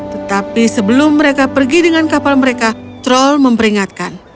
tetapi sebelum mereka pergi dengan kapal mereka troll memperingatkan